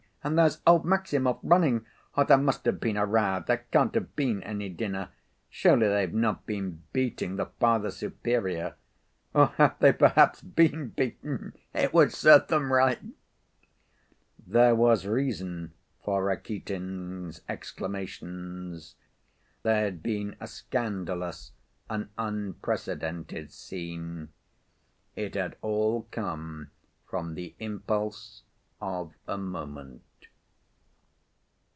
And there's old Maximov running!—there must have been a row. There can't have been any dinner. Surely they've not been beating the Father Superior! Or have they, perhaps, been beaten? It would serve them right!" There was reason for Rakitin's exclamations. There had been a scandalous, an unprecedented scene. It had all come from the impulse of a moment.